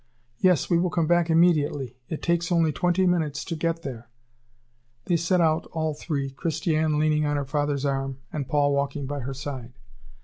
"Yes, we will come back immediately. It takes only twenty minutes to get there." They set out all three, Christiane leaning on her father's arm, and Paul walking by her side.